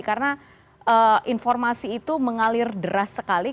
karena informasi itu mengalir deras sekali